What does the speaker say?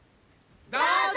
どうぞ！